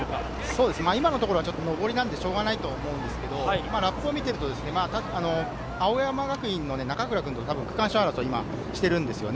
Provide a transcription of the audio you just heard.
上りなのでしょうがないと思うんですけれど、ラップを見ると、青山学院の中倉君と区間賞争いをしているんですよね。